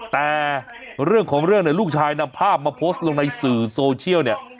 แต่เรื่องของเรื่องเนี่ยลูกชายนำภาพมาโพสต์ลงในสื่อโซเชียลเนี่ย